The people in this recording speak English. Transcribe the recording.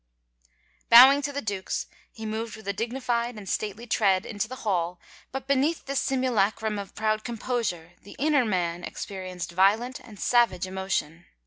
Bowing to the dukes, he moved with a dignified and stately tread into the hall but beneath this simulacrum of proud composure the inner man experienced violent and savage emotion.